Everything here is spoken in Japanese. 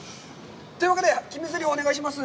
というわけで、決めぜりふをお願いします。